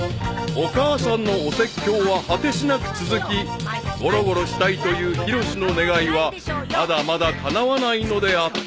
［お母さんのお説教は果てしなく続きゴロゴロしたいというヒロシの願いはまだまだかなわないのであった］